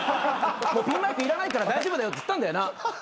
ピンマイクいらないから大丈夫だよっつったんだよな？